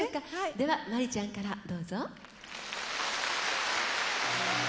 ではマリちゃんからどうぞ。